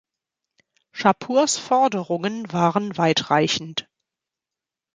Schapurs Forderungen waren weitreichend.